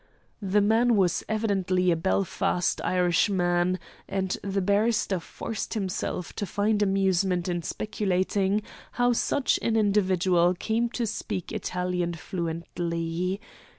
The man was evidently a Belfast Irishman, and the barrister forced himself to find amusement in speculating how such an individual came to speak Italian fluently.